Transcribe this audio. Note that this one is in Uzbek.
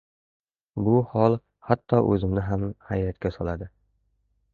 bu hol hatto oʻzimni ham hayratga soladi.